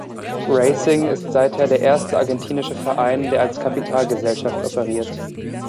Racing ist seither der erste argentinische Verein, der als Kapitalgesellschaft operiert.